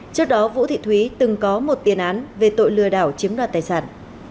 trước đó vũ thị thúy từng có một tiền án về tội lừa đảo chiếm đoạt tài sản